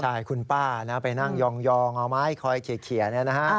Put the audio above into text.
ใช่คุณป้าน้ำไปนั่งยองเอาม้ายคอยเขี่ยเถี๋ยะ